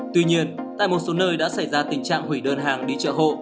tuy nhiên tại một số nơi đã xảy ra tình trạng hủy đơn hàng đi chợ hộ